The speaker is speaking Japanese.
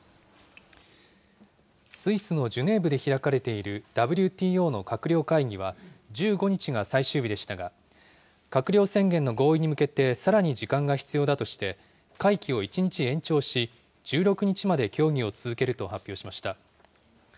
スイスのジュネーブで開かれているＷＴＯの閣僚会議は、１５日が最終日でしたが、閣僚宣言の合意に向けて、さらに時間が必要だとして、会期を１日延長し、１６日まで協議を続けると発表しました。